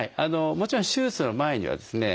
もちろん手術の前にはですね